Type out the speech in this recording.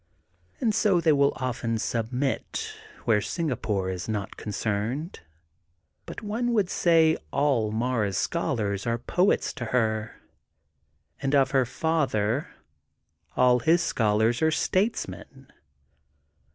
And so they will often submit, where Singa pore is not concerned. But one would say all Mara's scholars are poets to her, and of her father all his scholars are statesmen.